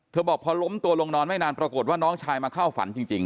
บอกพอล้มตัวลงนอนไม่นานปรากฏว่าน้องชายมาเข้าฝันจริง